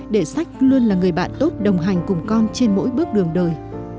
để sách luôn là người bạn tốt đồng hành cùng con trên mỗi bước đường đời